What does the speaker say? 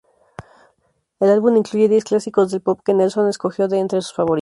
El álbum incluye diez clásicos del pop que Nelson escogió de entre sus favoritas.